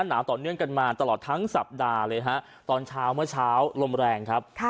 หนาวต่อเนื่องกันมาตลอดทั้งสัปดาห์เลยฮะตอนเช้าเมื่อเช้าลมแรงครับ